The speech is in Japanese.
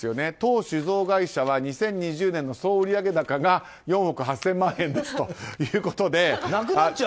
当酒造会社は２０２０年の総売上高が４億８０００万円ですということで。